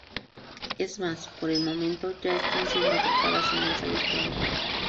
Es más, por el momento, ya están siendo tratadas en ensayos clínicos.